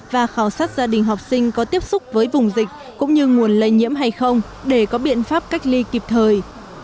và khảo sát gia đình học sinh có tiếp xúc với vùng dịch cũng như nguồn lây nhiễm hay không để có biện pháp cách ly kịp thời